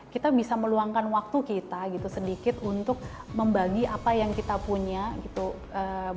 kita bisa meluangkan waktu kita gitu sedikit untuk membagi apa yang kita punya gitu bukan cuma materi ya